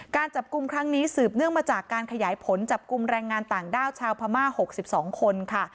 การจับกลุ่มครั้งนี้สืบเนื่องมาจากการขยายผลจับกลุ่มแรงงานต่างด้าวชาวพม่า๖๒คนค่ะ